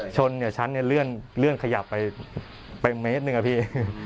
ชนเนี่ยชั้นเนี่ยเลื่อนขยับไปเมตรหนึ่งอะพี่